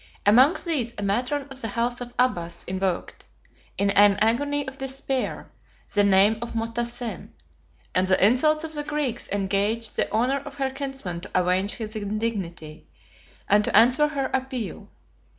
Among these a matron of the house of Abbas invoked, in an agony of despair, the name of Motassem; and the insults of the Greeks engaged the honor of her kinsman to avenge his indignity, and to answer her appeal.